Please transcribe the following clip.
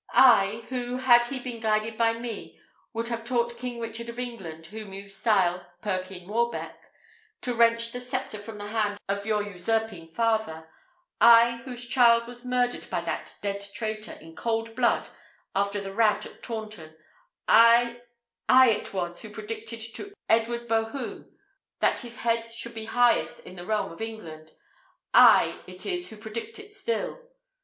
"I, who, had he been guided by me, would have taught Richard King of England, whom you style Perkyn Warbeck, to wrench the sceptre from the hand of your usurping father; I, whose child was murdered by that dead traitor, in cold blood, after the rout at Taunton; I I it was who predicted to Edward Bohun that his head should be highest in the realm of England: I it is who predict it still!"